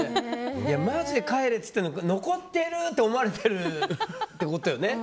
まじで帰れって言ってるのに残ってる！って思われてるってことよね。